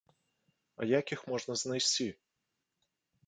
А як іх можна знайсці?